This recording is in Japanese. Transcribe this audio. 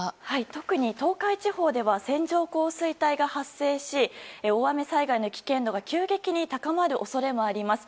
特に東海地方では線状降水帯が発生し大雨災害の危険度が急激に高まる恐れもあります。